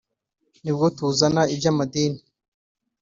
nibwo tuzana iby’amadini